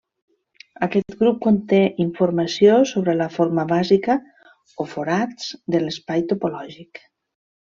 Aquest grup conté informació sobre la forma bàsica, o forats, de l'espai topològic.